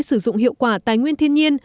sử dụng hiệu quả tài nguyên thiên nhiên